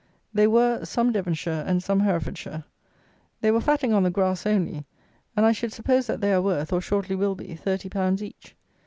They were, some Devonshire and some Herefordshire. They were fatting on the grass only; and, I should suppose, that they are worth, or shortly will be, thirty pounds each.